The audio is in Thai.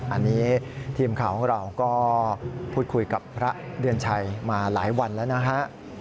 อันนี้ทีมข่าวของเราก็พูดคุยกับพระเดือนชัยมาหลายวันแล้วนะฮะ